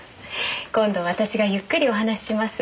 今度私がゆっくりお話しします。